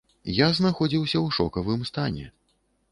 Я знаходзіўся ў шокавым стане.